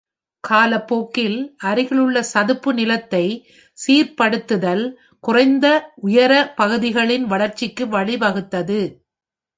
காலப்போக்கில், அருகிலுள்ள சதுப்பு நிலத்தை சீர்ப்படுத்தல் குறைந்த உயர பகுதிகளின் வளர்ச்சிக்கு வழி வகுத்தது.